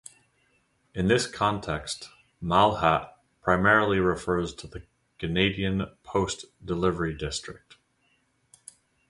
In this context "Malahat" primarily refers to the Canada Post delivery district.